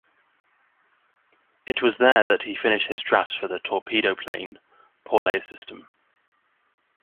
It was there that he finished his drafts for the Torpedo-Plane, Paulet system.